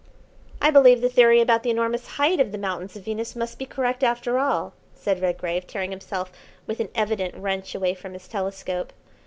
"I believe the theory about the enormous height of the mountains of Venus must be correct after all," said Redgrave, tearing himself with an evident wrench away from his telescope.